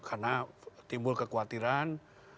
karena timbul kekhawatiran